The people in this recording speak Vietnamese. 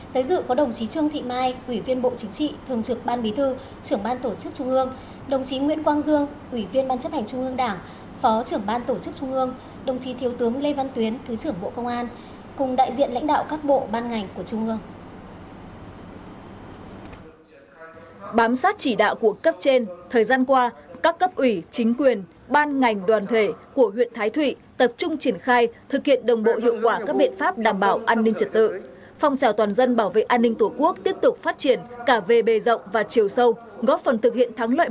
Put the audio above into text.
tới dự có đồng chí trương thị mai ủy viên bộ chính trị thường trực ban bí thư trưởng ban tổ chức trung ương đồng chí nguyễn quang dương ủy viên ban chấp hành trung ương đảng phó trưởng ban tổ chức trung ương đồng chí thiếu tướng lê văn tuyến thứ trưởng bộ công an cùng đại diện lãnh đạo các bộ ban ngành của trung ương